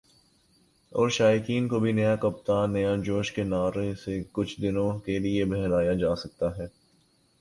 اور شائقین کو بھی "نیا کپتان ، نیا جوش" کے نعرے سے کچھ دنوں کے لیے بہلایا جاسکتا ہے ۔